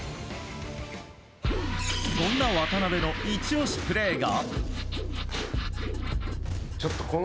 そんな渡邊のイチ押しプレーが。